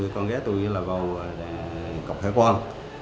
con ghé tôi là vô cộng khai quân